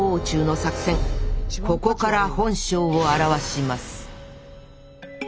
ここから本性を現します